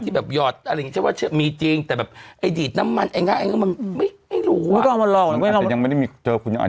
ที่แบบยอดอะไรอย่างนี้ใช้ว่ามีจริง